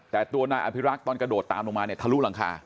แต่ตัวนายอภิรักษ์ตอนกระโดดตามลงมาเนี่ยทะลุหลังคา